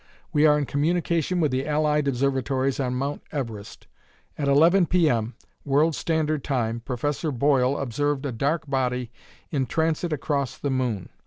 We are in communication with the Allied Observatories on Mount Everest. At eleven P. M., World Standard Time, Professor Boyle observed a dark body in transit across the moon.